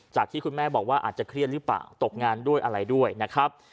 ที่คุณแม่บอกว่าอาจจะเครียดหรือเปล่าตกงานด้วยอะไรด้วยนะครับ